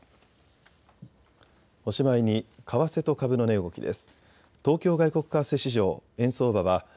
おしまいに為替と株の値動きです。